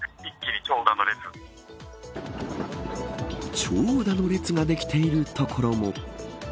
長蛇の列ができている所も。